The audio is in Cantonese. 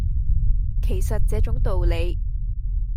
其實這種道理